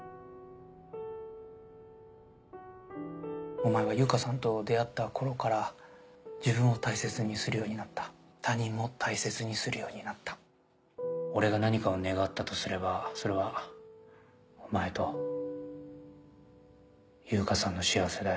お前は悠香さんと出会った頃から自分を大切にするようになった他人も大切にするようになった俺が何かを願ったとすればそれはお前と悠香さんの幸せだよ